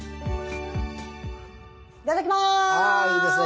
いただきます！